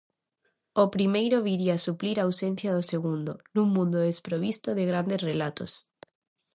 O primeiro viría suplir a ausencia do segundo "nun mundo desprovisto de grandes relatos".